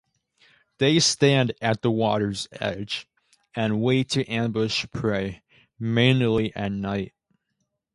They stand at the water's edge, and wait to ambush prey, mainly at night.